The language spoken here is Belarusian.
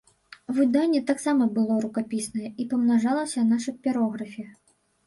Выданне таксама было рукапіснае і памнажалася на шапірографе.